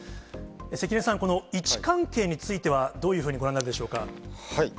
関根さん、この位置関係については、どういうふうにご覧になるでしょうか？